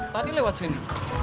tadi lewat sini